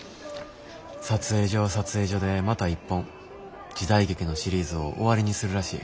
撮影所は撮影所でまた一本時代劇のシリーズを終わりにするらしい。